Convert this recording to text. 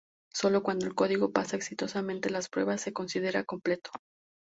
Solo cuando el código pasa exitosamente las pruebas se considera completo.